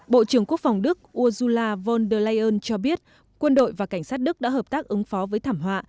bộ trưởng quốc phòng đức ursula von der leyen cho biết quân đội và cảnh sát đức đã hợp tác ứng phó với thảm họa